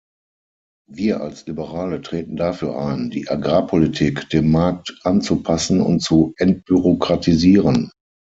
Wir als Liberale treten dafür ein, die Agrarpolitik dem Markt anzupassen und zu entbürokratisieren.